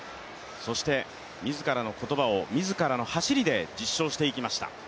そして自らの言葉を自らの走りで実証していきました。